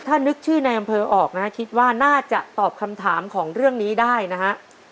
ถ้านึกชื่อในอำเภอออกนะฮะคิดว่าน่าจะตอบคำถามของเรื่องนี้ได้นะฮะ